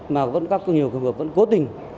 mà vẫn các nhiều cơ bản vẫn cố tình